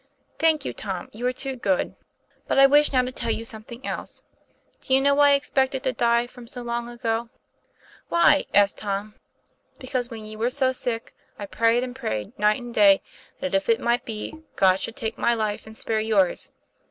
"Thank you, Tom; you are too good. But I 16 242 TOM PLA YFAIR. wish now to tell you something else. Do you know why I expected to die from so long ago?" "Why?" asked Tom. '* Because when you were so sick I prayed and prayed, night and day, that, if it might be, God should take my life and spare yours.